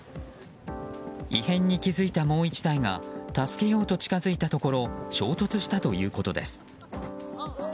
異変に気付いたもう１台が助けようと近づいたところ衝突したということです。